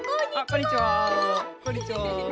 こんにちは。